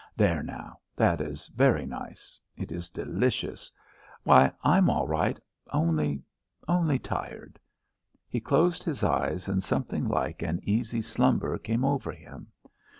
"There now! That is very nice. It is delicious. Why, I'm all right, only only tired." He closed his eyes, and something like an easy slumber came over him.